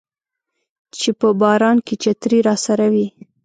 چې په باران کې چترۍ راسره وي